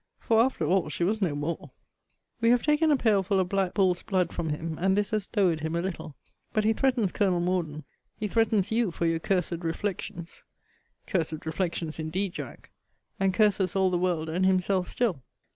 For after all she was no more. We have taken a pailful of black bull's blood from him; and this has lowered him a little. But he threatens Col. Morden, he threatens you for your cursed reflections, [cursed reflections indeed, Jack!] and curses all the world and himself still.